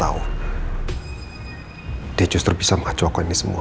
aku gak mau nantinya kalau saya menutupi ini rapat rapat